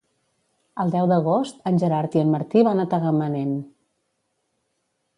El deu d'agost en Gerard i en Martí van a Tagamanent.